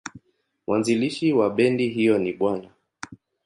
Mwanzilishi wa bendi hiyo ni Bw.